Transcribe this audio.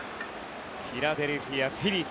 フィラデルフィア・フィリーズ。